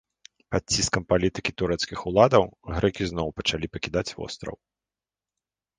Пад ціскам палітыкі турэцкіх уладаў, грэкі зноў пачалі пакідаць востраў.